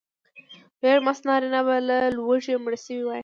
ډېر مست نارینه به له لوږې مړه شوي وای.